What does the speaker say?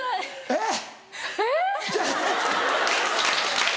えっ⁉